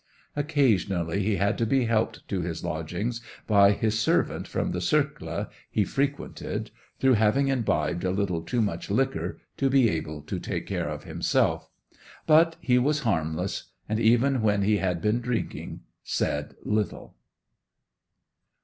Occasionally he had to be helped to his lodgings by his servant from the Cercle he frequented, through having imbibed a little too much liquor to be able to take care of himself. But he was harmless, and even when he had been drinking said little.